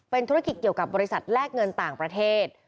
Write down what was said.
ธุรกิจเกี่ยวกับบริษัทแลกเงินต่างประเทศ